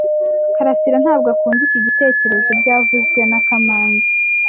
Karasira ntabwo akunda iki gitekerezo byavuzwe na kamanzi